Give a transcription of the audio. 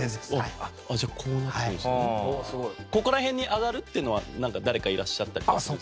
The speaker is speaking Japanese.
ここら辺に上がるっていうのは誰かいらっしゃったりとか。